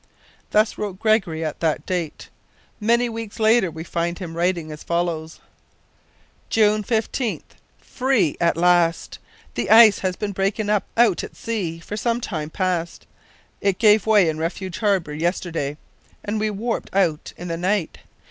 Thus wrote Gregory at that date. Many weeks later we find him writing as follows: "June 15th. Free at last! The ice has been breaking up out at sea for some time past. It gave way in Refuge Harbour yesterday, and we warped out in the night.